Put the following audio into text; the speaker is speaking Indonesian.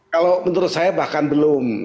kalau menurut saya bahkan belum